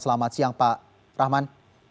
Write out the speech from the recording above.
selamat siang pak rahman